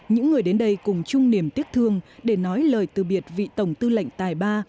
những người đến đây cùng chung niềm tiếc thương để nói lời từ biệt vị tổng tư lệnh tài ba